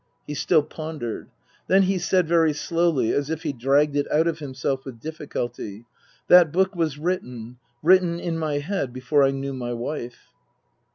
He still pondered. Then he said, very slowly, as if he dragged it out of himself with difficulty, " That book was written written in my head before I knew my wife."